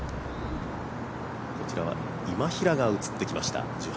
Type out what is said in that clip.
こちらは今平が映ってきました。